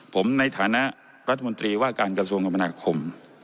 ผมในฐานะรัฐมนตรีว่าการกระทรวงกรรมนาคม